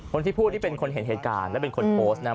คนที่พูดที่เป็นคนเห็นเหตุการณ์และเป็นคนโพสต์นะ